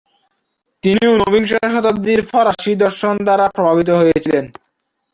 তিনি ঊনবিংশ শতাব্দীর ফরাসি দর্শন দ্বারা প্রভাবিত হয়েছিলেন।